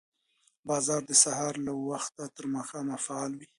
بازار د سهار له وخته تر ماښامه فعال وي